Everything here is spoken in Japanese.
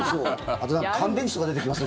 あと乾電池とか出てきます。